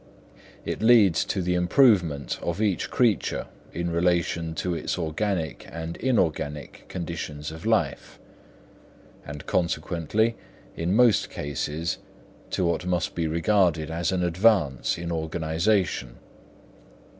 It leads to the improvement of each creature in relation to its organic and inorganic conditions of life; and consequently, in most cases, to what must be regarded as an advance in organisation.